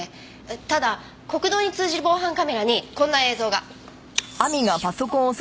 ただ国道に通じる防犯カメラにこんな映像が。